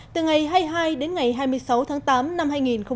từ ngày hai mươi hai đến ngày hai mươi sáu tháng tám năm hai nghìn một mươi chín